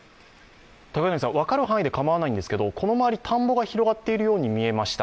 分かる範囲でかまわないんですが、この辺り田んぼが広がっているように見えました。